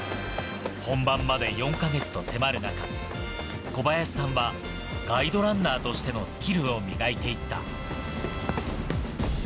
本番まで４か月と迫る中、小林さんはガイドランナーとしてのスキルを磨いていった。